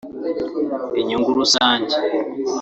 inyungu rusange